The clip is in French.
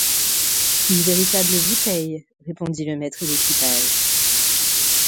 Une véritable bouteille, répondit le maître d’équipage.